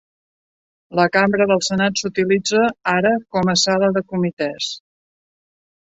La cambra del Senat s'utilitza ara com a sala de comitès.